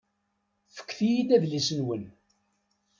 Fket-iyi-d adlis-nwen.